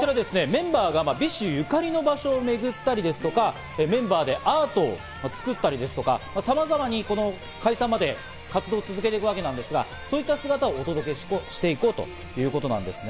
メンバーがＢｉＳＨゆかりの地をめぐったり、メンバーでアートを作ったり、さまざま解散まで活動を続けていくわけですが、そういった姿をお届けして行こうということなんです。